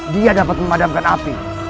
dia dapat memadamkan api